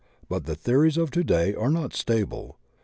But tfie theories of today are not stable.